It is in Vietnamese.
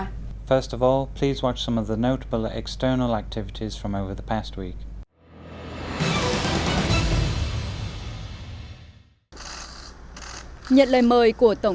nhận lời mời của tổng thống liên bang nga vladimir putin